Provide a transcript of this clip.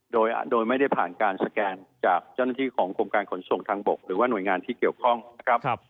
โดยไม่ได้ผ่านการสแกนจากเจ้าหน้าที่ของกรมการขนส่งทางบกหรือว่าหน่วยงานที่เกี่ยวข้องนะครับ